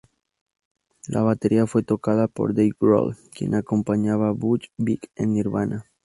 La batería fue tocada por Dave Grohl, quien acompañaba a Butch Vig en Nirvana.